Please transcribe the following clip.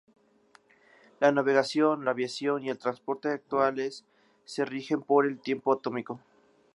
La navegación, la aviación y el transporte actuales se rigen por el Tiempo Atómico.